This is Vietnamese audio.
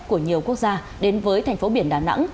của nhiều quốc gia đến với thành phố biển đà nẵng